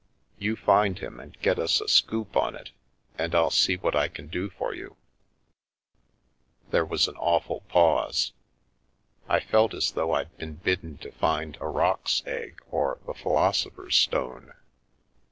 You find him and get us a ' scoop ' on it, and I'll see what I can do for you." There was an awful pause. I felt as though I'd been bidden to find a roc's egg or the philosopher's stone.